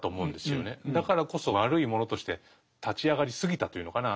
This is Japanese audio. だからこそ悪いものとして立ち上がりすぎたというのかな